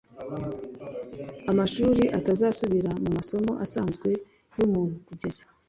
amashuri atazasubira mu masomo asanzwe yumuntu kugeza